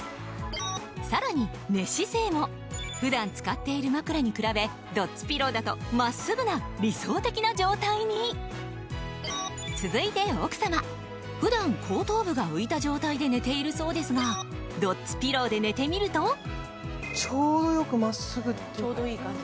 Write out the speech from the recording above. さらに寝姿勢も普段使っている枕に比べドッツピローだと真っすぐな理想的な状態に続いて奥さま普段後頭部が浮いた状態で寝ているそうですがドッツピローで寝てみるとちょうどよく真っすぐっていうか。